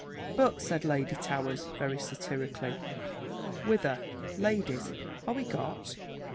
"But," said Lady Towers, very satirically, "whither, ladies, are we got?